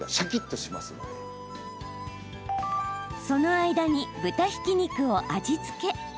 その間に豚ひき肉を味付け。